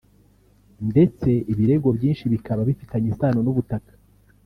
ndetse ibirego byinshi bikaba bifitanye isano n’ubutaka